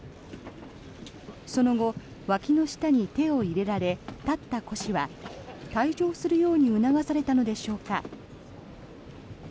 その後、わきの下に手を入れられ立った胡氏は退場するように促されたのでしょうか